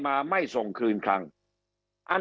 คำอภิปรายของสอสอพักเก้าไกลคนหนึ่ง